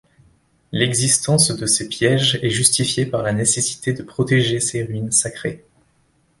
L'existence de ces pièges est justifiée par la nécessité de protéger ces ruines sacrées.